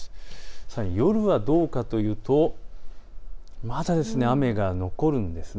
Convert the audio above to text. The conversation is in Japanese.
さらに夜はどうかというとまだ雨が残るんですね。